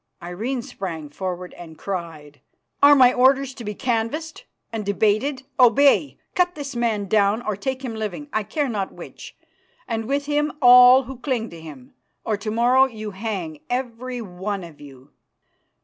Irene sprang forward and cried, "Are my orders to be canvassed and debated? Obey! Cut this man down or take him living, I care not which, and with him all who cling to him, or to morrow you hang, every one of you."